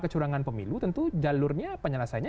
kecurangan pemilu tentu jalurnya penyelesaiannya